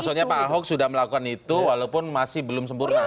maksudnya pak ahok sudah melakukan itu walaupun masih belum sempurna